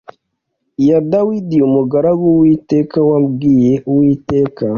iya Dawidi umugaragu w Uwiteka wabwiye Uwiteka